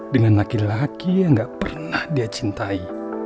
dengan laki laki yang gak pernah dia cintai